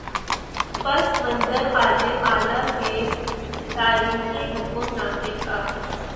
پس منظر خادم اعلی کے تاریخی حکم نامے کا۔